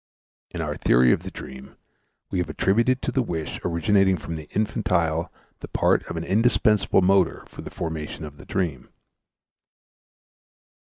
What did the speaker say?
In our theory of the dream we have attributed to the wish originating from the infantile the part of an indispensable motor for the formation of the dream.